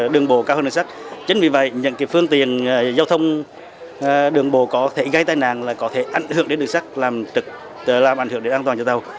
đường bộ cao hơn đường sắt những phương tiền giao thông đường bộ có thể gây tai nạn có thể ảnh hưởng đến đường sắt làm ảnh hưởng đến an toàn cho tàu